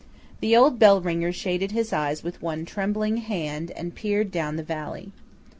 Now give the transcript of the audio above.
The old bellringer shaded his eyes with one trembling hand, and peered down the valley.